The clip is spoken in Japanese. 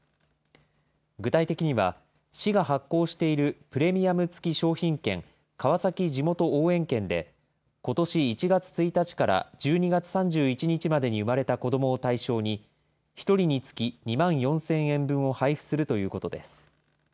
具体的には、市が発行しているプレミアム付き商品券、川崎じもと応援券で、ことし１月１日から１２月３１日までに産まれた子どもを対象に、１人につき２万４０００円分を配布するということです。